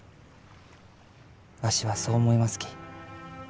わしはそう思いますき。